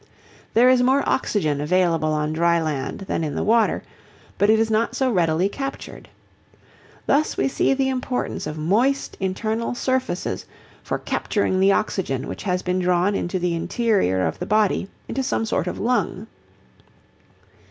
There is more oxygen available on dry land than in the water, but it is not so readily captured. Thus we see the importance of moist internal surfaces for capturing the oxygen which has been drawn into the interior of the body into some sort of lung.